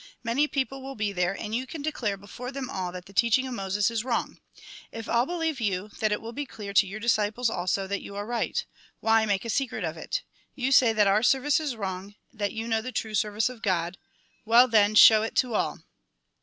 Many people will be there, and you can declare before them all that the teaching of Moses is wrong. If all believe yon, then it will be clear to your disciples also, that you are right. Why make a secret of it ? You say that our ser vice is wrong, that you know the true service of God ; well then, show it to all."